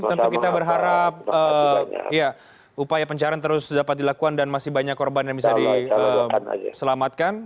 tentu kita berharap upaya pencarian terus dapat dilakukan dan masih banyak korban yang bisa diselamatkan